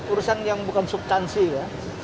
urusan yang bukan subtansi ya